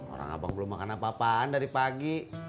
orang abang belum makan apa apaan dari pagi